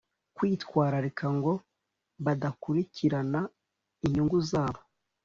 Kwitwararika ngo badakurikirana inyungu zabo